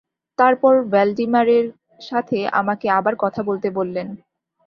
তারপর ভ্যালডিমারের সাথে আমাকে আবার কথা বলতে বললেন।